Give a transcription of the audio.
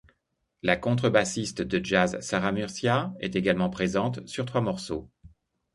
La contrebassiste de jazz Sarah Murcia est également présente sur trois morceaux.